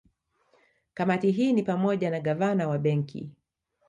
Kamati hii ni pamoja na Gavana wa Benki